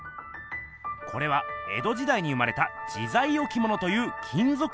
これはえどじだいに生まれた「自在置物」という金ぞく